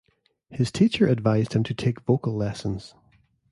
His teacher advised him to take vocal lessons.